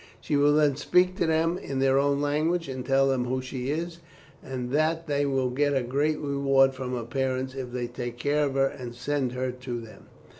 She will then speak to them in their own language and tell them who she is, and that they will get a great reward from her parents if they take care of her and send her to them."